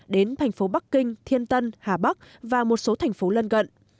đến thành phố bắc kinh thiên tân hà bắc và một số thành phố lân cận